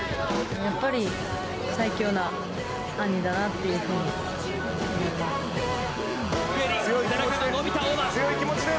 やっぱり最強な兄だなというふうに思います。